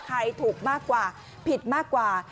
ใครถูกมากกว่าผิดมากกว่า